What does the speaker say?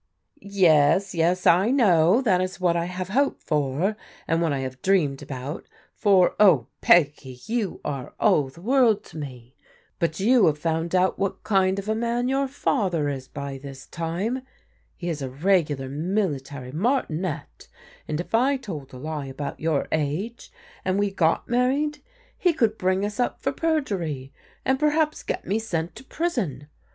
" Yes, yes, I know, that is what I have hoped for, and I have dreamed about, lot o\v, "Pe.^^ , '^om are all ELEANOR SECURES A POSITION 161 the world to me. But you have found out what kind of a man your father is by this time. He is a regular military martinet, and if I told a lie about your age and we got married he could bring us up for perjury, and perhaps get me sent to prison.